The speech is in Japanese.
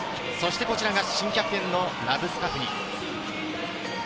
こちらが新キャプテンのラブスカフニ。